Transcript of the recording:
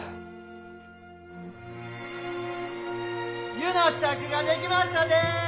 湯の支度ができましたで！